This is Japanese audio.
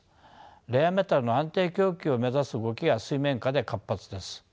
レアメタルの安定供給を目指す動きが水面下で活発です。